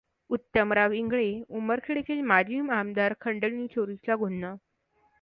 उत्तमराव इंगळे उमरखेडचे माजी आमदार खंडणीखोरीचा गुन्हा